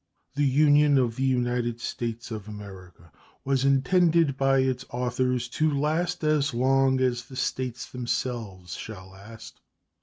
The Union of the United States of America was intended by its authors to last as long as the States themselves shall last.